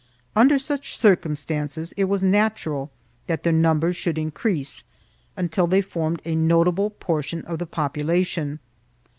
Under such circumstances it was natural that their numbers should increase until they formed a notable portion of the popu lation.